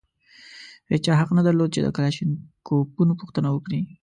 هېچا حق نه درلود چې د کلاشینکوفونو پوښتنه وکړي.